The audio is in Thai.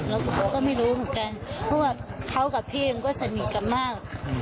แล้วเขาก็ไม่รู้เหมือนกันเพราะว่าเขากับพี่มันก็สนิทกันมาก